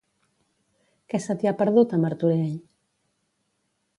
Què se t'hi ha perdut a Martorell?